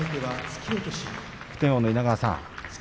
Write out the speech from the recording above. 普天王の稲川さん